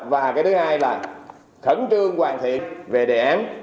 và cái thứ hai là khẩn trương hoàn thiện về đề án